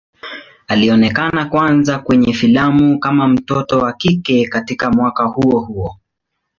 Alionekana kwanza kwenye filamu kama mtoto wa kike katika mwaka huo huo.